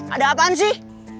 ada apaan sih